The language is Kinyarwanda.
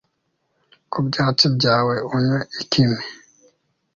ku byatsi byawe unywe ikime